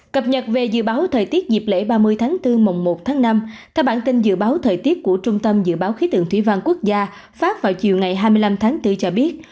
cập nhật về dự báo thời tiết dịp lễ ba mươi tháng bốn mùng một tháng năm theo bản tin dự báo thời tiết của trung tâm dự báo khí tượng thủy văn quốc gia pháp vào chiều ngày hai mươi năm tháng bốn cho biết